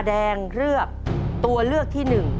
แดงเลือกตัวเลือกที่๑